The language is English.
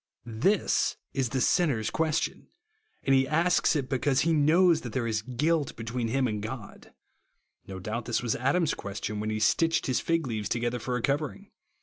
This is the sinner's question ; and he asks it because he knows that there is guilt be tween him and God. No doubt this was Adam's question when he stitched his fig leaves together for a covering.